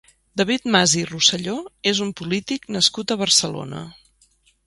David Mas i Roselló és un polític nascut a Barcelona.